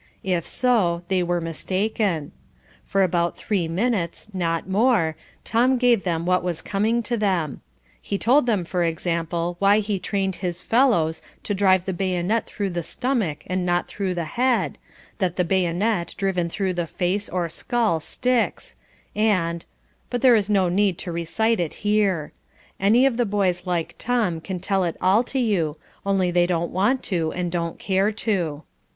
If so, they were mistaken. For about three minutes, not more, Tom gave them what was coming to them. He told them, for example, why he trained his "fellows" to drive the bayonet through the stomach and not through the head, that the bayonet driven through the face or skull sticks and, but there is no need to recite it here. Any of the boys like Tom can tell it all to you, only they don't want to and don't care to.